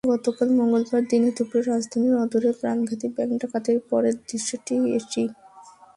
গতকাল মঙ্গলবার দিনেদুপুরে রাজধানীর অদূরে প্রাণঘাতী ব্যাংক ডাকাতির পরের দৃশ্য এটি।